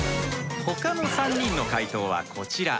ほかの３人の解答はこちら！